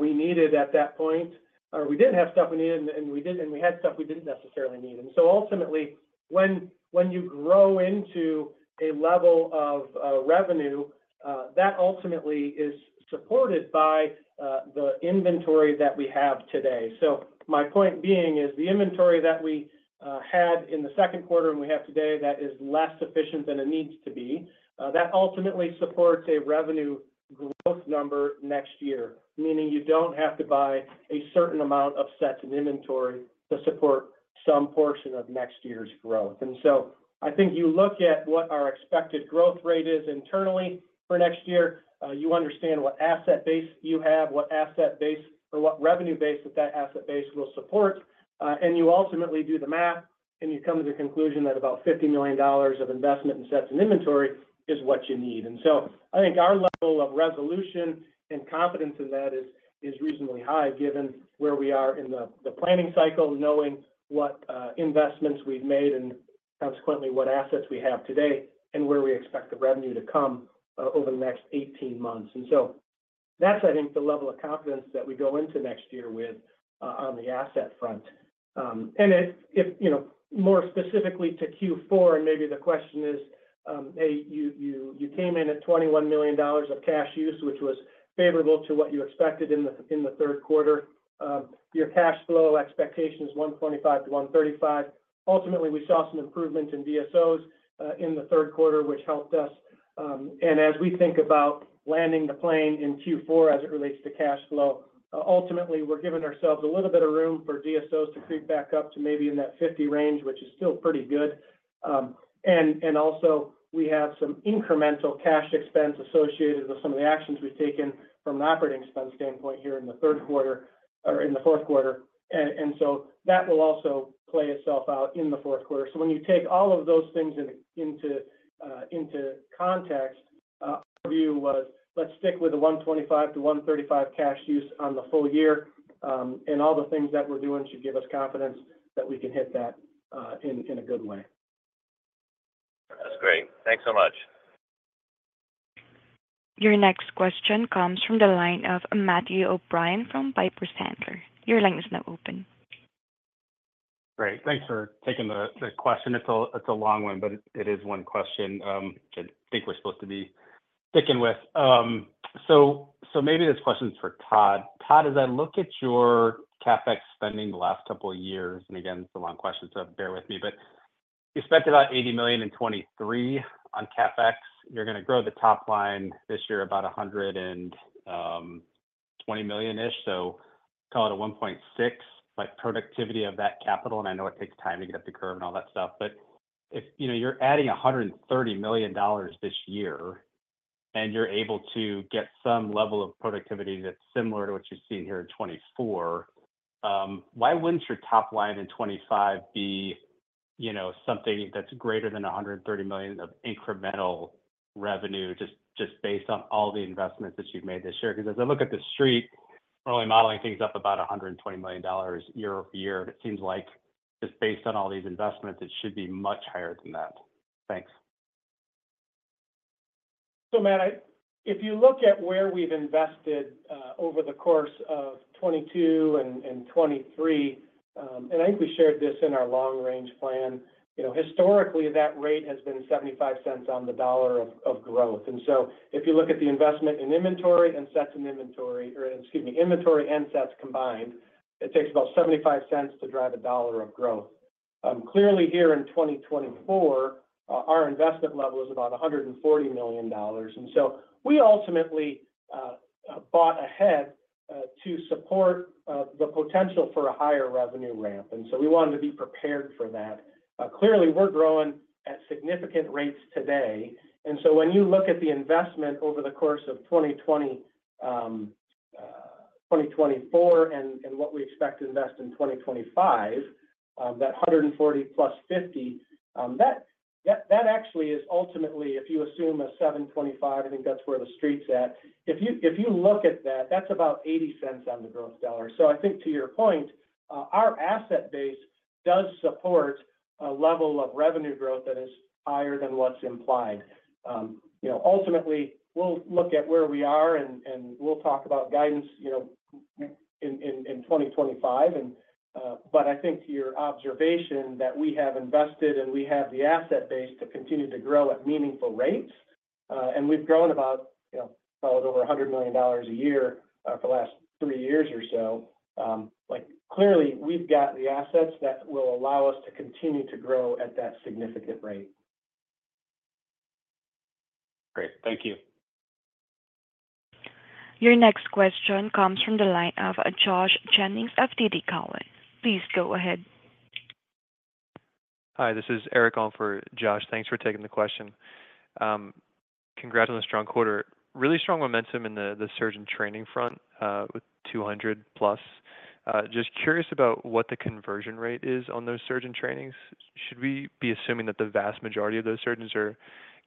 C: we needed at that point, or we didn't have stuff we needed, and we had stuff we didn't necessarily need, and so ultimately, when you grow into a level of revenue, that ultimately is supported by the inventory that we have today. So my point being is the inventory that we had in the Q2 and we have today that is less efficient than it needs to be, that ultimately supports a revenue growth number next year, meaning you don't have to buy a certain amount of sets in inventory to support some portion of next year's growth. And so I think you look at what our expected growth rate is internally for next year, you understand what asset base you have, what asset base, or what revenue base that that asset base will support, and you ultimately do the math, and you come to the conclusion that about $50 million of investment in sets and inventory is what you need. I think our level of resolution and confidence in that is reasonably high given where we are in the planning cycle, knowing what investments we've made and consequently what assets we have today and where we expect the revenue to come over the next 18 months. That's, I think, the level of confidence that we go into next year with on the asset front. More specifically to Q4, maybe the question is, "Hey, you came in at $21 million of cash use, which was favorable to what you expected in the Q3. Your cash flow expectation is $125-$135 million." Ultimately, we saw some improvement in DSOs in the Q3, which helped us. And as we think about landing the plane in Q4 as it relates to cash flow, ultimately, we're giving ourselves a little bit of room for DSOs to creep back up to maybe in that 50 range, which is still pretty good. And also, we have some incremental cash expense associated with some of the actions we've taken from an operating expense standpoint here in the Q3 or in the Q4. And so that will also play itself out in the Q4. So when you take all of those things into context, our view was, "Let's stick with the $125-$135 cash use on the full year." And all the things that we're doing should give us confidence that we can hit that in a good way.
F: That's great. Thanks so much.
A: Your next question comes from the line of Matthew O'Brien from Piper Sandler. Your line is now open.
G: Great. Thanks for taking the question. It's a long one, but it is one question I think we're supposed to be sticking with. So maybe this question's for Todd. Todd, as I look at your CapEx spending the last couple of years - and again, it's a long question, so bear with me - but you spent about $80 million in 2023 on CapEx. You're going to grow the top line this year about $120 million-ish. So call it a 1.6 by productivity of that capital. And I know it takes time to get up the curve and all that stuff. But if you're adding $130 million this year and you're able to get some level of productivity that's similar to what you've seen here in 2024, why wouldn't your top line in 2025 be something that's greater than $130 million of incremental revenue just based on all the investments that you've made this year? Because as I look at the street, we're only modeling things up about $120 million year over year. And it seems like just based on all these investments, it should be much higher than that. Thanks.
C: So, Matt, if you look at where we've invested over the course of 2022 and 2023, and I think we shared this in our long-range plan, historically, that rate has been $0.75 on the dollar of growth. And so if you look at the investment in inventory and sets in inventory, or excuse me, inventory and sets combined, it takes about $0.75 to drive a dollar of growth. Clearly, here in 2024, our investment level is about $140 million. And so we ultimately bought ahead to support the potential for a higher revenue ramp. And so we wanted to be prepared for that. Clearly, we're growing at significant rates today. And so when you look at the investment over the course of 2024 and what we expect to invest in 2025, that 140 plus 50, that actually is ultimately, if you assume a 725, I think that's where the street's at. If you look at that, that's about $0.80 on the growth dollar. So I think to your point, our asset base does support a level of revenue growth that is higher than what's implied. Ultimately, we'll look at where we are, and we'll talk about guidance in 2025. But I think to your observation that we have invested and we have the asset base to continue to grow at meaningful rates, and we've grown about a little over $100 million a year for the last three years or so, clearly, we've got the assets that will allow us to continue to grow at that significant rate.
G: Great. Thank you.
A: Your next question comes from the line of Josh Jennings of TD Cowen. Please go ahead.
H: Hi. This is Eric Alm for Josh. Thanks for taking the question. Congrats on the strong quarter. Really strong momentum in the surgeon training front with 200 plus. Just curious about what the conversion rate is on those surgeon trainings. Should we be assuming that the vast majority of those surgeons are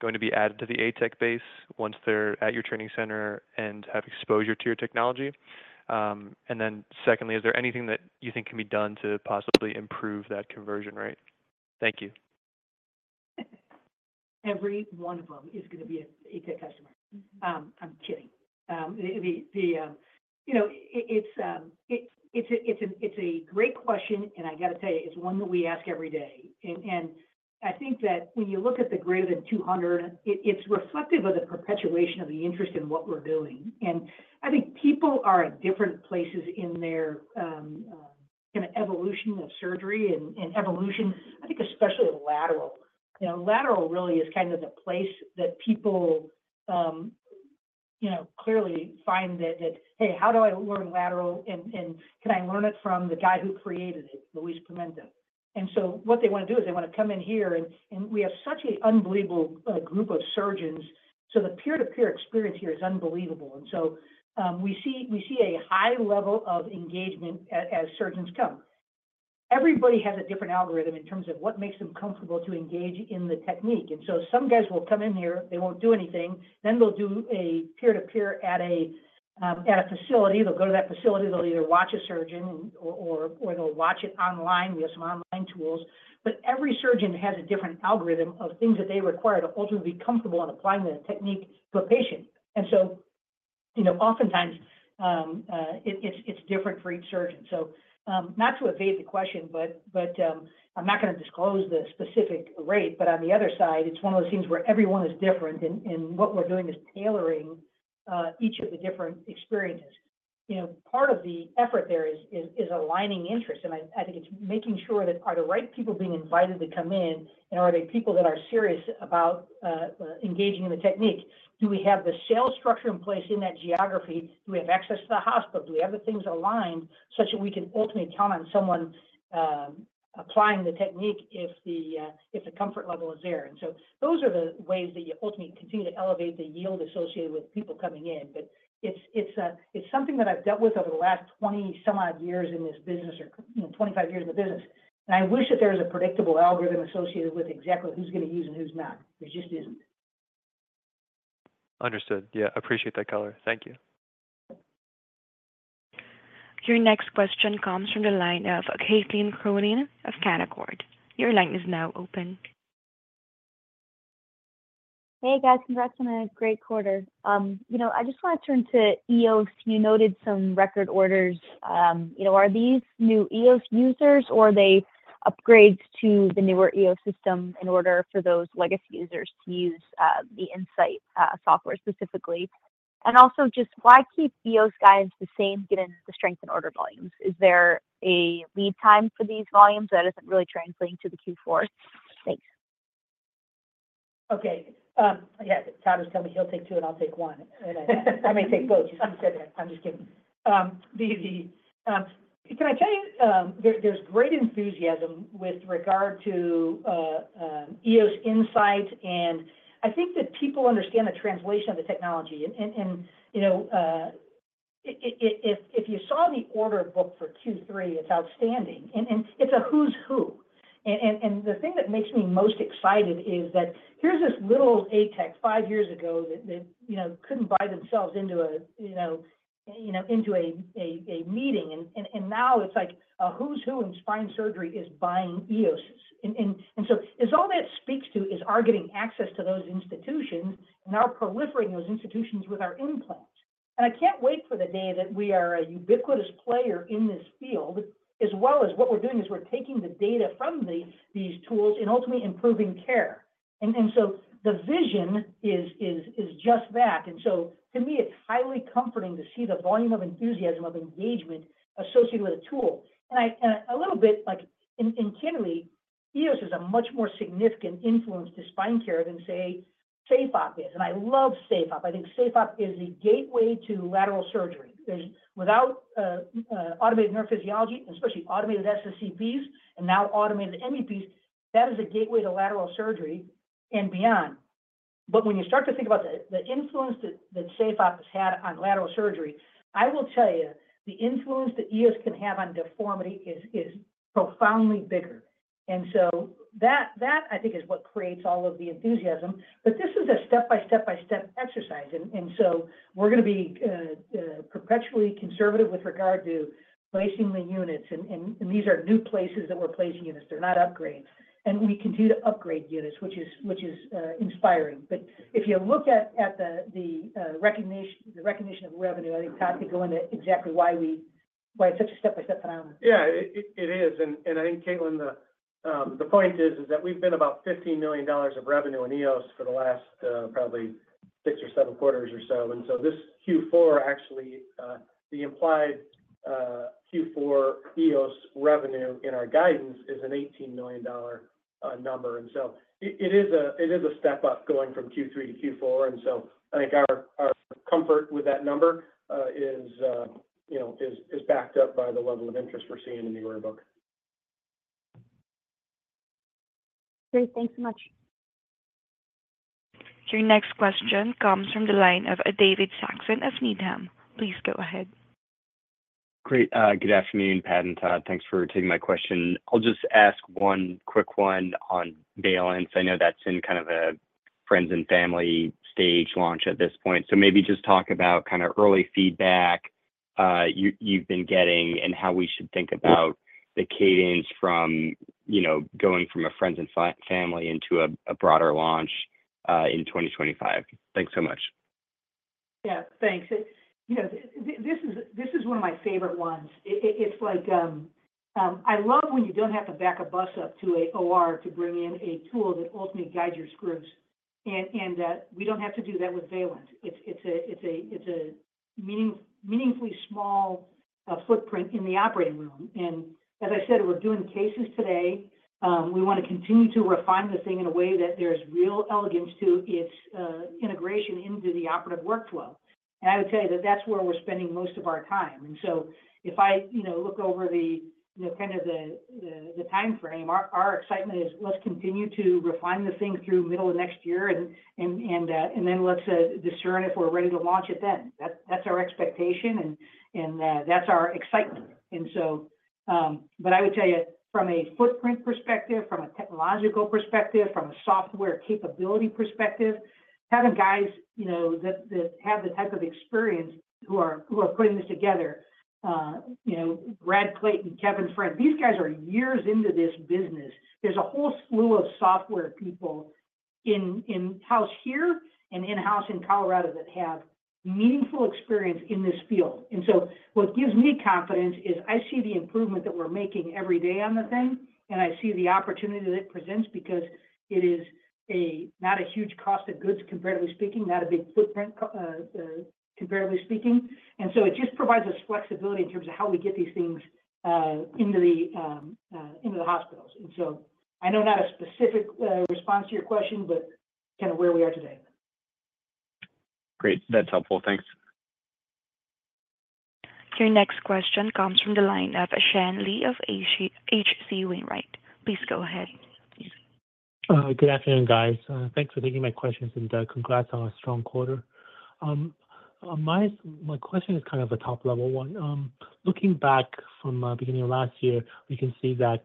H: going to be added to the ATEC base once they're at your training center and have exposure to your technology? And then secondly, is there anything that you think can be done to possibly improve that conversion rate? Thank you.
B: Every one of them is going to be an ATEC customer. I'm kidding. It's a great question, and I got to tell you, it's one that we ask every day. I think that when you look at the greater than 200, it's reflective of the perpetuation of the interest in what we're doing. I think people are at different places in their kind of evolution of surgery and evolution, I think especially lateral. Lateral really is kind of the place that people clearly find that, "Hey, how do I learn lateral? And can I learn it from the guy who created it, Luiz Pimenta?" What they want to do is they want to come in here, and we have such an unbelievable group of surgeons. The peer-to-peer experience here is unbelievable. We see a high level of engagement as surgeons come. Everybody has a different algorithm in terms of what makes them comfortable to engage in the technique. And so some guys will come in here, they won't do anything. Then they'll do a peer-to-peer at a facility. They'll go to that facility. They'll either watch a surgeon or they'll watch it online. We have some online tools. But every surgeon has a different algorithm of things that they require to ultimately be comfortable in applying the technique to a patient. And so oftentimes, it's different for each surgeon. So not to evade the question, but I'm not going to disclose the specific rate. But on the other side, it's one of those things where everyone is different. And what we're doing is tailoring each of the different experiences. Part of the effort there is aligning interests. And I think it's making sure that are the right people being invited to come in, and are they people that are serious about engaging in the technique? Do we have the sales structure in place in that geography? Do we have access to the hospital? Do we have the things aligned such that we can ultimately count on someone applying the technique if the comfort level is there? And so those are the ways that you ultimately continue to elevate the yield associated with people coming in. But it's something that I've dealt with over the last 20-some-odd years in this business, or 25 years in the business. And I wish that there was a predictable algorithm associated with exactly who's going to use and who's not. There just isn't.
H: Understood. Yeah. Appreciate that, color. Thank you.
A: Your next question comes from the line of Caitlin Cronin of Canaccord. Your line is now open.
I: Hey, guys. Congrats on a great quarter. I just want to turn to EOS. You noted some record orders. Are these new EOS users, or are they upgrades to the newer EOS system in order for those legacy users to use the Insight software specifically? And also, just why keep EOS guidance the same given the strength and order volumes? Is there a lead time for these volumes that isn't really translating to the Q4? Thanks.
B: Okay. Yeah. Todd was telling me he'll take two, and I'll take one. I may take both. I'm just kidding. Can I tell you, there's great enthusiasm with regard to EOS Insight. And I think that people understand the translation of the technology. And if you saw the order book for Q3, it's outstanding. And it's a who's who. And the thing that makes me most excited is that here's this little ATEC five years ago that couldn't buy themselves into a meeting. And now it's like a who's who in spine surgery is buying EOS. And so all that speaks to is our getting access to those institutions, and our proliferating those institutions with our implants. I can't wait for the day that we are a ubiquitous player in this field, as well as what we're doing is we're taking the data from these tools and ultimately improving care. And so the vision is just that. And so to me, it's highly comforting to see the volume of enthusiasm of engagement associated with a tool. And a little bit intimately, EOS is a much more significant influence to spine care than, say, SafeOp is. And I love SafeOp. I think SafeOp is the gateway to lateral surgery. Without automated nerve physiology, especially automated SSEPs and now automated MEPs, that is a gateway to lateral surgery and beyond. But when you start to think about the influence that SafeOp has had on lateral surgery, I will tell you, the influence that EOS can have on deformity is profoundly bigger. And so that, I think, is what creates all of the enthusiasm. But this is a step-by-step-by-step exercise. And so we're going to be perpetually conservative with regard to placing the units. And these are new places that we're placing units. They're not upgrades. And we continue to upgrade units, which is inspiring. But if you look at the recognition of revenue, I think Todd could go into exactly why it's such a step-by-step phenomenon.
C: Yeah, it is. And I think, Caitlin, the point is that we've been about $15 million of revenue in EOS for the last probably six or seven quarters or so. And so this Q4, actually, the implied Q4 EOS revenue in our guidance is an $18 million number. And so it is a step up going from Q3 to Q4. And so I think our comfort with that number is backed up by the level of interest we're seeing in the order book.
I: Great. Thanks so much.
A: Your next question comes from the line of David Saxon of Needham. Please go ahead.
J: Great. Good afternoon, Pat and Todd. Thanks for taking my question. I'll just ask one quick one on Valence. I know that's in kind of a friends-and-family stage launch at this point. So maybe just talk about kind of early feedback you've been getting and how we should think about the cadence from going from a friends-and-family into a broader launch in 2025. Thanks so much.
B: Yeah. Thanks. This is one of my favorite ones. It's like I love when you don't have to back a bus up to an OR to bring in a tool that ultimately guides your screws. And we don't have to do that with Valence. It's a meaningfully small footprint in the operating room. And as I said, we're doing cases today. We want to continue to refine the thing in a way that there's real elegance to its integration into the operative workflow. And I would tell you that that's where we're spending most of our time. And so if I look over kind of the timeframe, our excitement is let's continue to refine the thing through middle of next year, and then let's discern if we're ready to launch it then. That's our expectation, and that's our excitement. I would tell you, from a footprint perspective, from a technological perspective, from a software capability perspective, having guys that have the type of experience who are putting this together, Brad Clayton, Kevin Friend, these guys are years into this business. There's a whole slew of software people in-house here and in-house in Colorado that have meaningful experience in this field. What gives me confidence is I see the improvement that we're making every day on the thing, and I see the opportunity that it presents because it is not a huge cost of goods, comparatively speaking, not a big footprint, comparatively speaking. It just provides us flexibility in terms of how we get these things into the hospitals. I know not a specific response to your question, but kind of where we are today.
J: Great. That's helpful. Thanks.
A: Your next question comes from the line of Sean Lee of H.C. Wainwright. Please go ahead.
K: Good afternoon, guys. Thanks for taking my questions, and congrats on a strong quarter. My question is kind of a top-level one. Looking back from the beginning of last year, we can see that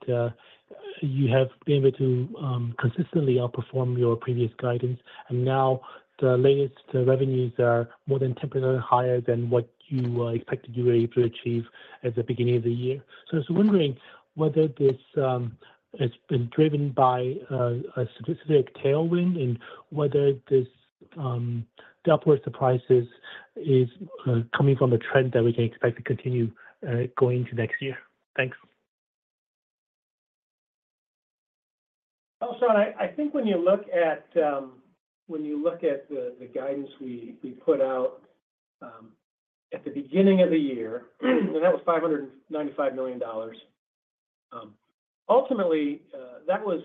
K: you have been able to consistently outperform your previous guidance. And now the latest revenues are more than 10% higher than what you expected you were able to achieve at the beginning of the year. So I was wondering whether this has been driven by a specific tailwind and whether this upward surprise is coming from a trend that we can expect to continue going into next year. Thanks.
C: Oh, sorry. I think when you look at the guidance we put out at the beginning of the year, and that was $595 million. Ultimately, that was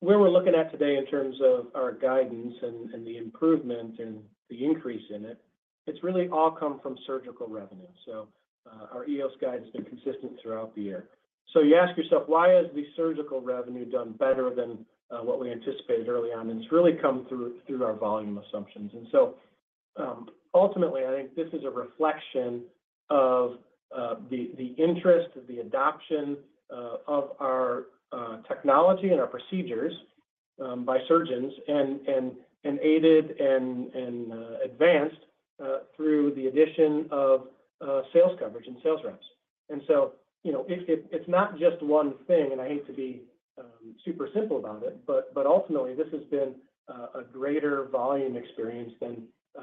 C: where we're looking at today in terms of our guidance and the improvement and the increase in it. It's really all come from surgical revenue. So our EOS guide has been consistent throughout the year. So you ask yourself, why has the surgical revenue done better than what we anticipated early on? And it's really come through our volume assumptions. And so ultimately, I think this is a reflection of the interest, the adoption of our technology and our procedures by surgeons and aided and advanced through the addition of sales coverage and sales reps. And so it's not just one thing, and I hate to be super simple about it, but ultimately, this has been a greater volume experience than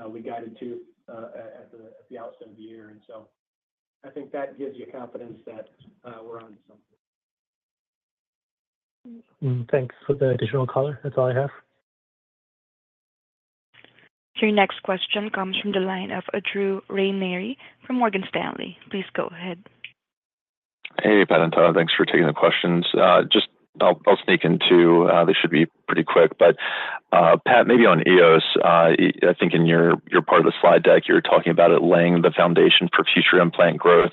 C: we guided to at the outset of the year. And so I think that gives you confidence that we're on to something.
K: Thanks for the additional color. That's all I have.
A: Your next question comes from the line of Drew Ranieri from Morgan Stanley. Please go ahead.
L: Hey, Pat and Todd. Thanks for taking the questions. Just I'll sneak in too. This should be pretty quick, but Pat, maybe on EOS, I think in your part of the slide deck, you were talking about it laying the foundation for future implant growth,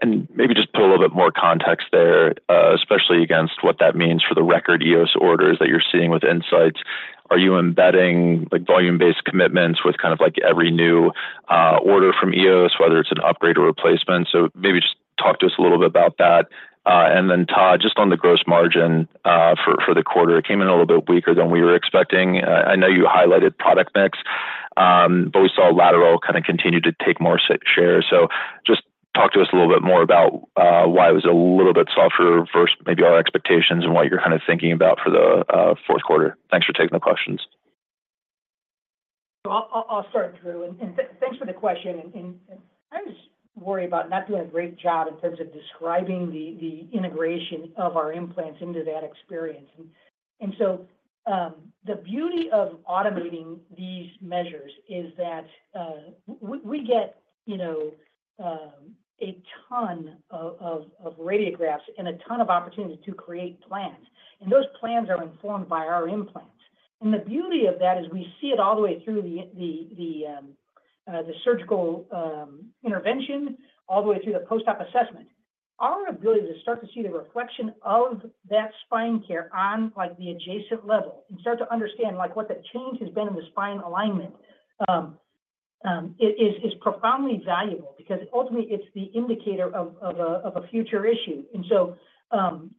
L: and maybe just put a little bit more context there, especially against what that means for the record EOS orders that you're seeing with Insights. Are you embedding volume-based commitments with kind of every new order from EOS, whether it's an upgrade or replacement, so maybe just talk to us a little bit about that, and then Todd, just on the gross margin for the quarter, it came in a little bit weaker than we were expecting. I know you highlighted product mix, but we saw lateral kind of continue to take more share. So just talk to us a little bit more about why it was a little bit softer versus maybe our expectations and what you're kind of thinking about for the Q4. Thanks for taking the questions.
B: I'll start, Drew, and thanks for the question, and I was worried about not doing a great job in terms of describing the integration of our implants into that experience, and so the beauty of automating these measures is that we get a ton of radiographs and a ton of opportunities to create plans, and those plans are informed by our implants, and the beauty of that is we see it all the way through the surgical intervention, all the way through the post-op assessment. Our ability to start to see the reflection of that spine care on the adjacent level and start to understand what the change has been in the spine alignment is profoundly valuable because ultimately, it's the indicator of a future issue, and so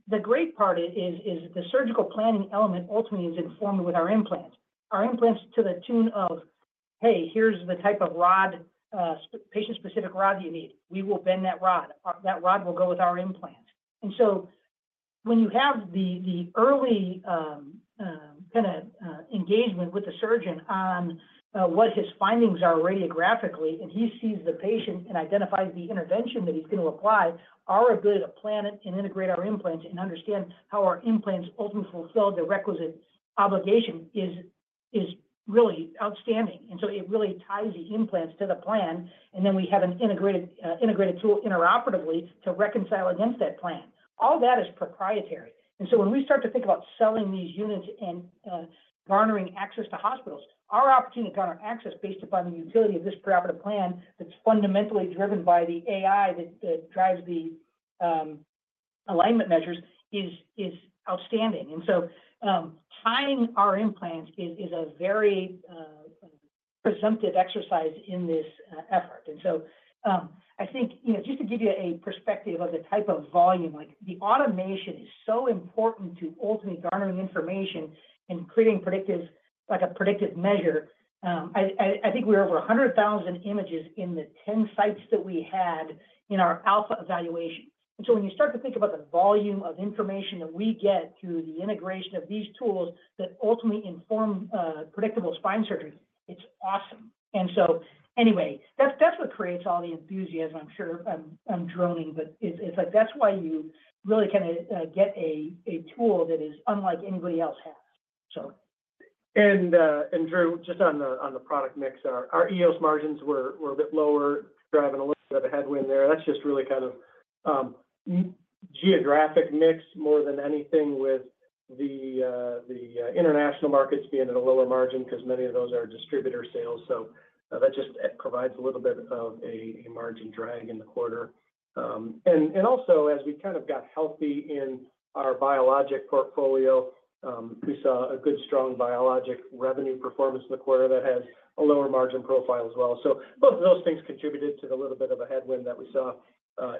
B: the great part is the surgical planning element ultimately is informed with our implants. Our implants to the tune of, "Hey, here's the type of patient-specific rod you need. We will bend that rod. That rod will go with our implants." And so when you have the early kind of engagement with the surgeon on what his findings are radiographically, and he sees the patient and identifies the intervention that he's going to apply, our ability to plan it and integrate our implants and understand how our implants ultimately fulfill the requisite obligation is really outstanding. And so it really ties the implants to the plan. And then we have an integrated tool interoperatively to reconcile against that plan. All that is proprietary. And so when we start to think about selling these units and garnering access to hospitals, our opportunity to garner access based upon the utility of this preoperative plan that's fundamentally driven by the AI that drives the alignment measures is outstanding. And so tying our implants is a very presumptive exercise in this effort. And so I think just to give you a perspective of the type of volume, the automation is so important to ultimately garnering information and creating a predictive measure. I think we're over 100,000 images in the 10 sites that we had in our alpha evaluation. And so when you start to think about the volume of information that we get through the integration of these tools that ultimately inform predictable spine surgery, it's awesome. And so anyway, that's what creates all the enthusiasm. I'm sure I'm droning, but it's like that's why you really kind of get a tool that is unlike anybody else has. So.
C: And Drew, just on the product mix, our EOS margins were a bit lower, driving a little bit of a headwind there. That's just really kind of geographic mix more than anything with the international markets being at a lower margin because many of those are distributor sales. So that just provides a little bit of a margin drag in the quarter. And also, as we kind of got healthy in our biologic portfolio, we saw a good strong biologic revenue performance in the quarter that has a lower margin profile as well. So both of those things contributed to a little bit of a headwind that we saw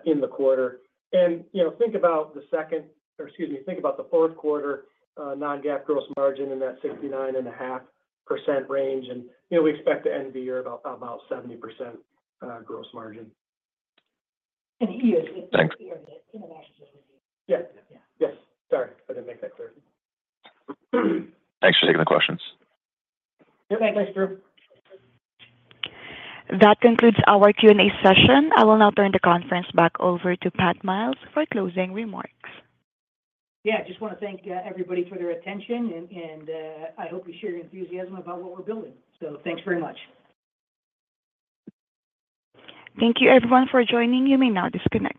C: in the quarter. And think about the second or excuse me, think about the Q4 non-GAAP gross margin in that 69.5% range. And we expect to end the year at about 70% gross margin.
B: EOS is the international.
C: Yeah. Yes. Sorry. I didn't make that clear.
L: Thanks for taking the questions.
B: Thanks, Drew.
A: That concludes our Q&A session. I will now turn the conference back over to Pat Miles for closing remarks.
B: Yeah. I just want to thank everybody for their attention, and I hope you share your enthusiasm about what we're building, so thanks very much.
A: Thank you, everyone, for joining. You may now disconnect.